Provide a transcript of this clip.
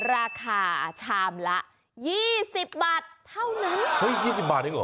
ราคาชามละยี่สิบบาทเท่านั้นเฮ้ยยี่สิบบาทเองเหรอ